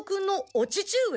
お父上？